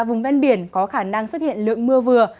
vùng ven biển có khả năng xuất hiện lượng mưa vừa